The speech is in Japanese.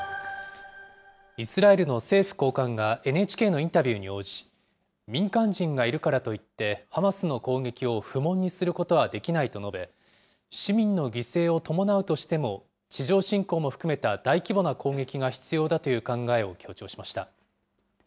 イスラエルの政府高官がＮＨＫのインタビューに応じ、民間人がいるからといってハマスの攻撃を不問にすることはできないと述べ、市民の犠牲を伴うとしても、地上侵攻も含めた大規模な攻撃が必要だという考えを強調しました。